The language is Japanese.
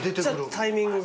タイミングが。